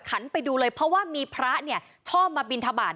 ต้องลงว่านิมนต์มา๘๑๐แบบ๘๑๕ต้องลงกี่โมงแน่ครับ